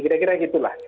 kira kira gitu lah